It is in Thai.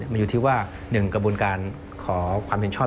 มันอยู่ที่ว่า๑กระบวนการขอความเห็นชอบ